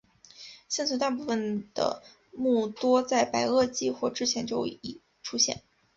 现存大部分的目多在白垩纪或之前就已出现。